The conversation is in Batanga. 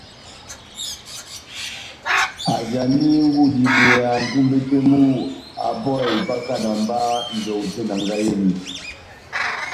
ajani ngudi ibweya nʼtumbe tɛh mu apɔhe ipakana mba njɔwu tɛh enangahi eni.